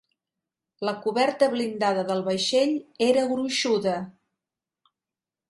La coberta blindada del vaixell era gruixuda.